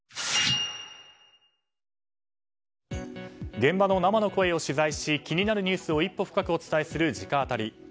現場の生の声を取材し気になるニュースを一歩深くお伝えする直アタリ。